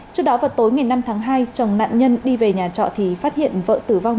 trước đó vào tối ngày năm tháng hai chồng nạn nhân đi về nhà trọ thì phát hiện vợ tử vong